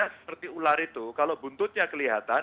seperti ular itu kalau buntutnya kelihatan